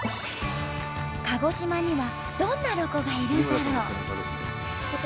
鹿児島にはどんなロコがいるんだろう？